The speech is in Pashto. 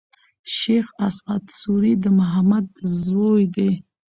شېخ اسعد سوري د محمد زوی دﺉ.